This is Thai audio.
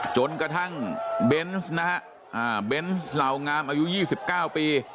จนกระทั่งเบนส์นะฮะเบนส์เหล่างามอายุ๒๙ปี